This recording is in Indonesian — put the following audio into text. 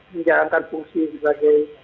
menjalankan fungsi sebagai